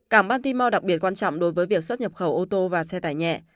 cảng bantimo đặc biệt quan trọng đối với việc xuất nhập khẩu ô tô và xe tải nhẹ